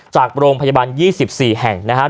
จากโรงพยาบาล๒๔แห่งนะครับ